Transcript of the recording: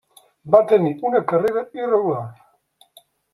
Va tenir una carrera irregular.